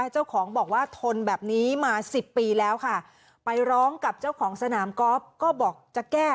เจ้าของบอกว่าทนแบบนี้มาสิบปีแล้วค่ะไปร้องกับเจ้าของสนามกอล์ฟก็บอกจะแก้